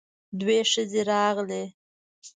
دوې ښځې راغلې.